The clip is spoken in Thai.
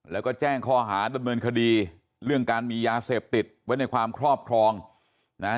แล้วก็แจ้งข้อหาดำเนินคดีเรื่องการมียาเสพติดไว้ในความครอบครองนะฮะ